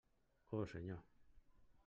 Oh, Senyor!